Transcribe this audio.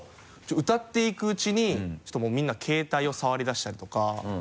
歌っていくうちにちょっともうみんな携帯を触りだしたりとか。